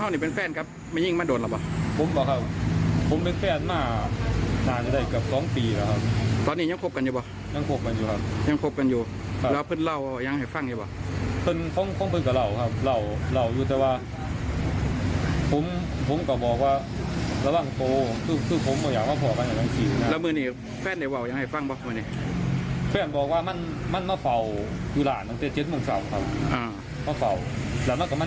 นี่ค่ะอันนี้คือเป็นแฟนคนปัจจุบันของคนเจ็บถูกไหม